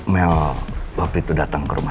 mel waktu itu datang ke rumah